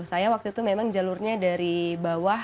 saya waktu itu memang jalurnya dari bawah